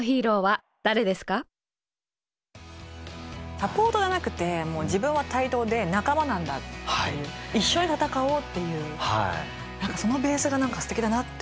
サポートじゃなくて自分は対等で仲間なんだっていう一緒に闘おうっていう何かそのベースがすてきだなって思いましたね。